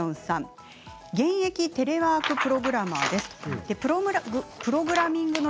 現役テレワークプログラマーです。